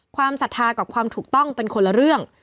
ศรัทธากับความถูกต้องเป็นคนละเรื่อง